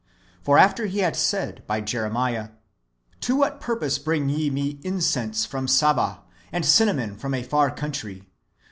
For after He had said by Jeremiah, "To what purpose bring ye me incense from Saba, and cinnamon from a far country